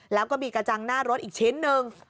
แล้วก็มีกระจังหน้ารถอีกชิ้นหนึ่ง